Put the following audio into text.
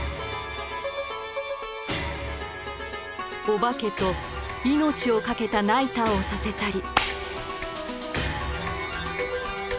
お化けと命をかけたナイターをさせたり。